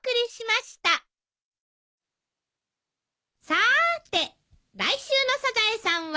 さーて来週の『サザエさん』は？